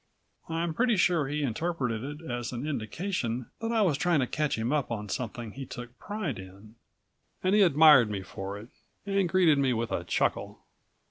I'm pretty sure he interpreted it as an indication that I was trying to catch him up on something he took pride in, and he admired me for it, and greeted me with a chuckle.